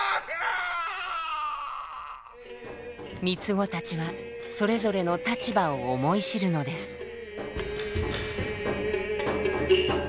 三つ子たちはそれぞれの立場を思い知るのです。